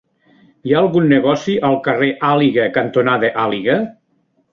Hi ha algun negoci al carrer Àliga cantonada Àliga?